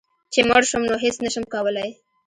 چي مړ شوم نو هيڅ نشم کولی